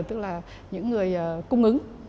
tức là những người cung ứng